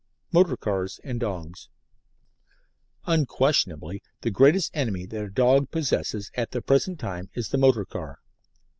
MOTOR CARS AND DOGS Unquestionably the greatest enemy that the dog possesses at the present time is the motor car.